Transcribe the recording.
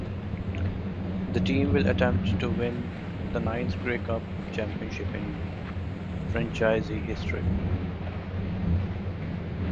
The team will attempt to win the ninth Grey Cup championship in franchise history.